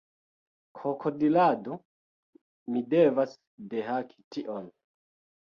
Krokodilado, mi devas dehaki tion!